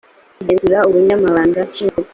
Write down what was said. kugenzura ubunyamabanga nshingwa bikorwa